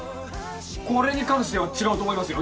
これに関しては違うと思いますよ